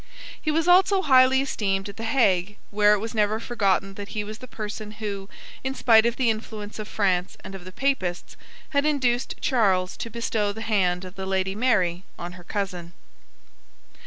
He was also highly esteemed at the Hague, where it was never forgotten that he was the person who, in spite of the influence of France and of the Papists, had induced Charles to bestow the hand of the Lady Mary on her cousin.